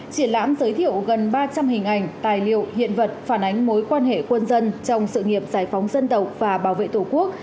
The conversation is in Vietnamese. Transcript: triển lãm giới thiệu gần ba trăm linh hình ảnh tài liệu hiện vật phản ánh mối quan hệ quân dân trong sự nghiệp giải phóng dân tộc và bảo vệ tổ quốc